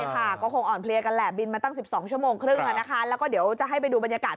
ใช่ค่ะก็คงอ่อนเพลียกันแหละบินมาตั้ง๑๒ชั่วโมงครึ่งแล้วก็เดี๋ยวจะให้ไปดูบรรยากาศ